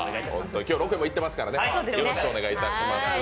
今日ロケも行ってますからねよろしくお願いします。